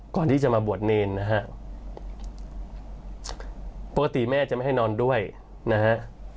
ก่อนที่จะมาบวชเนรนะฮะปกติแม่จะไม่ให้นอนด้วยนะฮะ